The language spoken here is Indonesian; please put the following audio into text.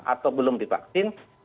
atau belum divaksin